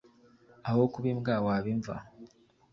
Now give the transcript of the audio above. aho kuba imbwa waba imva